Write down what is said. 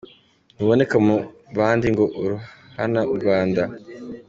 Ntuboneka mu bandi ngo urahana u Rwanda ?